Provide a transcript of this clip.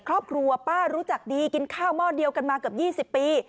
ครอบครัวป้ารู้จักดีกินข้าวมอดเดียวกันมากับยี่สิบปี